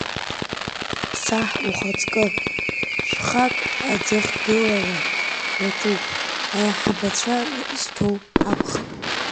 Саҳ ухаҵкы, шхәак аӡыхгылара иаҿуп, аиҳабацәа зҭоу акәхап.